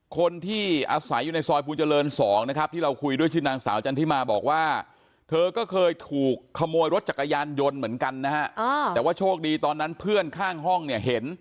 คนที่อาศัยอยู่ในซอยภูเจริญ๒นะครับที่เราคุยด้วยชื่อนางสาวจันทิมาบอกว่าเธอก็เคยถูกขโมยรถจักรยานยนต์เหมือนกันนะฮะแต่ว่าโชคดีตอนนั้นเพื่อนข้างห้องเนี่ยเห็น